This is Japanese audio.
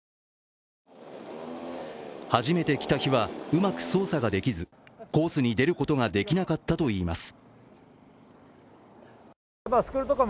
初めて来た日はうまく操作ができずコースに出ることができなかったといいます。